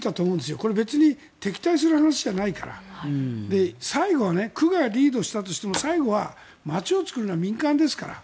これ別に敵対する話じゃないから最後は区がリードしたとしても最後は街を作るのは民間ですから。